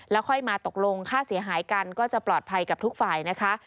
แล้วค่อยมาตกลงค่าเสียหายกันก็จะปลอดภัยกับทุกฝ่ายนะคะ